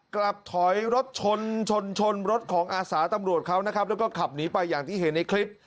กลับถอยรถชนชนชนรถของอาสาตำรวจเขานะครับแล้วก็ขับหนีไปอย่างที่เห็นในคลิป